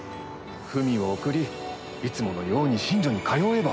文を送りいつものように寝所に通えば。